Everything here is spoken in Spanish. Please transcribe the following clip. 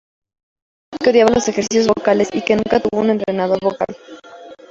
Solía decir que odiaba los ejercicios vocales, y que nunca tuvo un entrenador vocal.